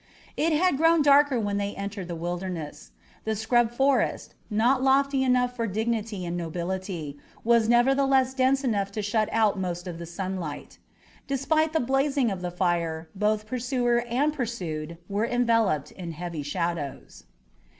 It had grown darker when they entered the Wilderness. The scrub forest, not lofty enough for dignity and nobility, was nevertheless dense enough to shut out most of the sunlight. Despite the blaze of the firing, both pursuer and pursued were enveloped in heavy shadows.